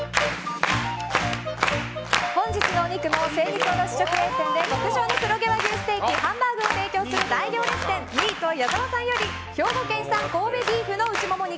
本日のお肉も精肉卸直営店で極上の黒毛和牛ステーキ、ハンバーグを提供する大行列店ミート矢澤さんより兵庫県産神戸ビーフの内モモ肉